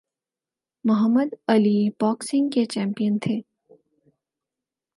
محمد Ali boxing کے champion تھے۔